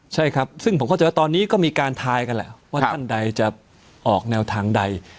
ใช่ครับซึ่งผมเข้าใจว่าตอนนี้ก็มีการทายกันแหละว่าท่านใดจะออกแนวทางใด